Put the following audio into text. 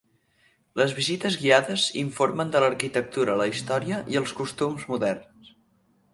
Les visites guiades informen de l'arquitectura, la història i els costums moderns.